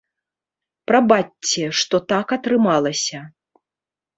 Прабачце, што так атрымалася.